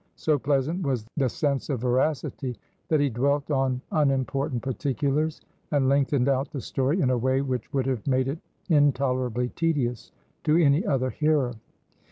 So pleasant was the sense of veracity, that he dwelt on unimportant particulars, and lengthened out the story in a way which would have made it intolerably tedious to any other hearer.